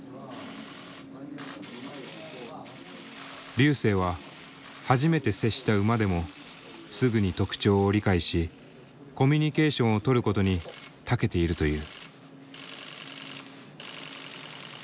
瑠星は初めて接した馬でもすぐに特徴を理解しコミュニケーションをとることにたけているという。